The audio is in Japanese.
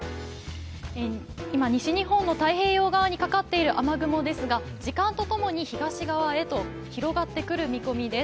今、西日本の太平洋側にかかっている雨雲ですが時間と共に東側へと広がってくる見込みです。